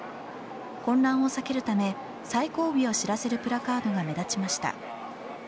混乱を避けるため最後尾を知らせるプラカードが目立ちました。